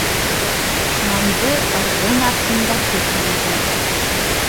Дошманды ырҙын артында көтмәйҙәр.